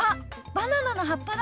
バナナの葉っぱだ！